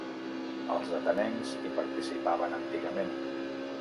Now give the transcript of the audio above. Els atenencs hi participaven antigament.